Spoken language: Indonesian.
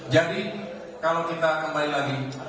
jadi kalau kita kembali lagi